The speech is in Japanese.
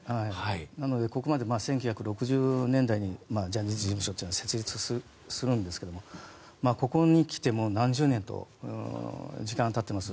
なので、ここまで１９６０年代にジャニーズ事務所というのは設立するんですがここに来ても何十年と時間がたっています。